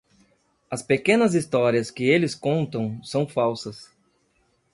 As pequenas histórias que eles contam são falsas.